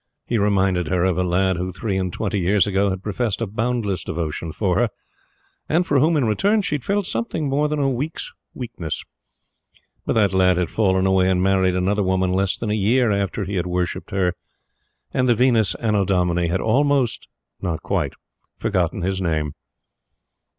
He reminded her of a lad who, three and twenty years ago, had professed a boundless devotion for her, and for whom in return she had felt something more than a week's weakness. But that lad had fallen away and married another woman less than a year after he had worshipped her; and the Venus Annodomini had almost not quite forgotten his name.